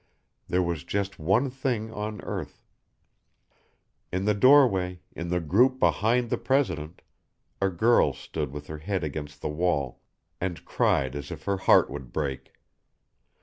There was just one thing on earth. In the doorway, in the group behind the president, a girl stood with her head against the wall and cried as if her heart would break.